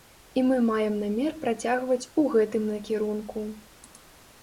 І мы маем намер працягваць у гэтым накірунку.